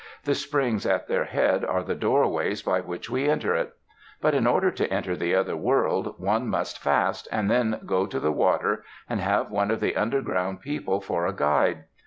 The springs at their head are the doorways by which we enter it. But in order to enter the other world, one must fast and then go to the water, and have one of the underground people for a guide.